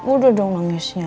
udah dong manggisnya